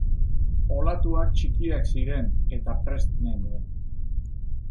Olatuak txikiak ziren eta prest nengoen.